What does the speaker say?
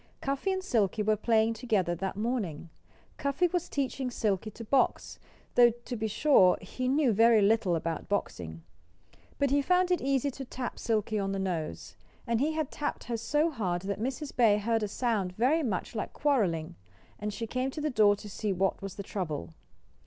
Cuffy and Silkie were playing together that morning. Cuffy was teaching Silkie to box, though, to be sure, he knew very little about boxing. But he found it easy to tap Silkie on the nose. And he had tapped her so hard that Mrs. Bear heard a sound very much like quarreling; and she came to the door to see what was the trouble.